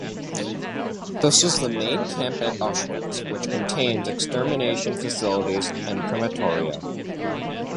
This was the main camp at Auschwitz, which contained the extermination facilities and crematoria.